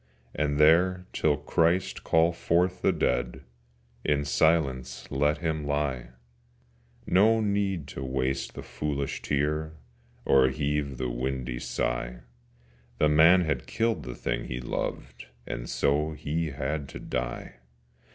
And there, till Christ call forth the dead, In silence let him lie: No need to waste the foolish tear, Or heave the windy sigh: The man had killed the thing he loved, And so he had to die.